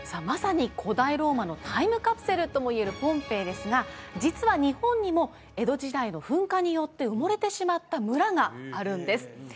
まさに古代ローマのタイムカプセルともいえるポンペイですが実は日本にも江戸時代の噴火によって埋もれてしまった村があるんです